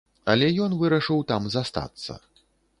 Але ён вырашыў там застацца.